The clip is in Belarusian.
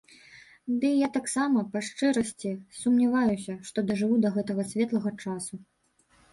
Дый я таксама, па шчырасці, сумняваюся, што дажыву да гэтага светлага часу.